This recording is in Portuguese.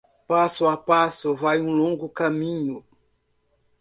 Passo a passo vai um longo caminho.